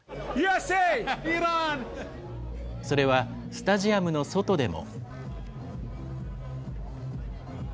それはスタジアムの外でも。